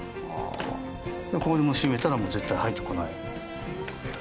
これで閉めたらもう絶対入ってこない。